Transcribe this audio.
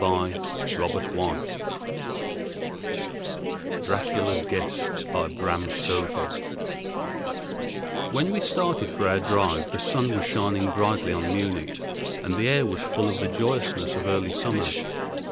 FLORENCE BRAM STOKER Dracula's Guest When we started for our drive the sun was shining brightly on Munich, and the air was full of the joyousness of early summer.